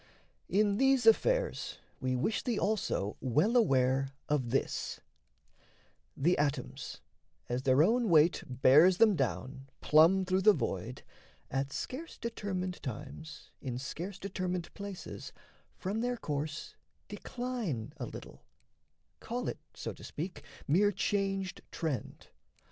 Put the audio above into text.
In these affairs We wish thee also well aware of this: The atoms, as their own weight bears them down Plumb through the void, at scarce determined times, In scarce determined places, from their course Decline a little call it, so to speak, Mere changed trend.